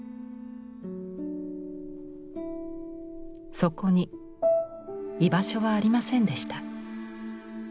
そこに居場所はありませんでした。